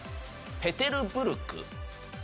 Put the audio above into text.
ペテルブルク。